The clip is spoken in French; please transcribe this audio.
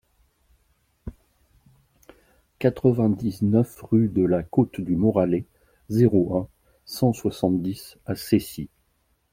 quatre-vingt-dix-neuf rue de la Côte du Moralay, zéro un, cent soixante-dix à Cessy